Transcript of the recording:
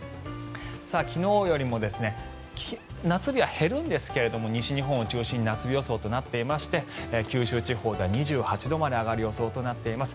昨日よりも夏日は減るんですが西日本を中心に夏日予想となっていまして九州地方では２８度まで上がる予想となっています。